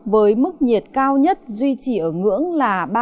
với mức nhiệt cao nhất duy trì ở ngưỡng là